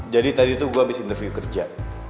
jadi tadi tuh gue abis interview kerja